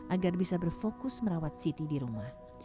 agar bisa berfokus merawat siti di rumah